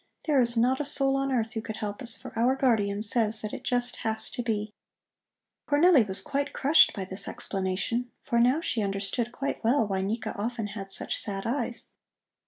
There is not a soul on earth who could help us, for our guardian says that it just has to be." Cornelli was quite crushed by this explanation, for now she understood quite well why Nika often had such sad eyes.